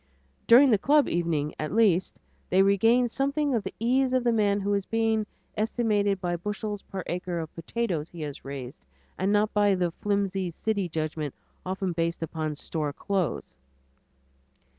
During the club evening at least, they regain something of the ease of the man who is being estimated by the bushels per acre of potatoes he has raised, and not by that flimsy city judgment so often based upon store clothes.